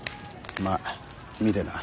まあ見てな。